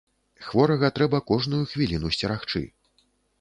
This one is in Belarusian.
Хворага трэба кожную хвіліну сцерагчы.